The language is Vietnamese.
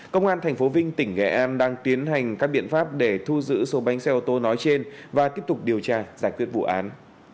công an tp vinh tỉnh nghệ an đang tiến hành các biện pháp để thu giữ số bánh xe ô tô nói trên và tiếp tục điều tra giải quyết vụ án